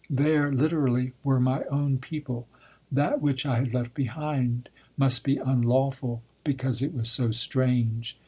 There, literally, were my own people: that which I had left behind must be unlawful because it was so strange.